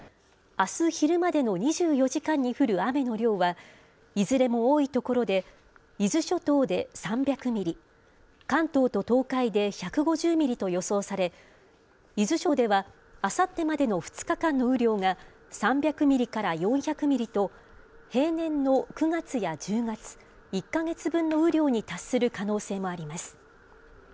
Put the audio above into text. あす昼までの２４時間に降る雨の量は、いずれも多い所で、伊豆諸島で３００ミリ、関東と東海で１５０ミリと予想され、伊豆諸島では、あさってまでの２日間の雨量が３００ミリから４００ミリと、平年の９月や１０月、１か月分の雨量に達する可能性もあります。